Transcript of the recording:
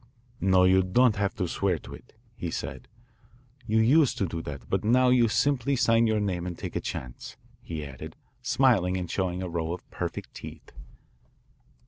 "No, you don't have to swear to it," he said. "You used to do that, but now you simply sign your name and take a chance," he added, smiling and showing a row of perfect teeth.